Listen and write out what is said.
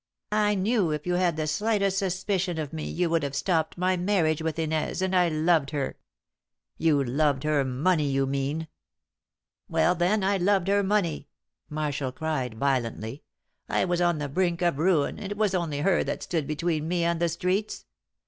I knew if you had the slightest suspicion of me you would have stopped my marriage with Inez, and I loved her." "You loved her money, you mean." "Well, then, I loved her money!" Marshall cried, violently. "I was on the brink of ruin, and it was only her that stood between me and the streets.